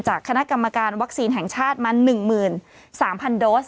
คณะกรรมการวัคซีนแห่งชาติมา๑๓๐๐โดส